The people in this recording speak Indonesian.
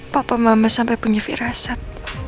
papa mama sampai punya firasat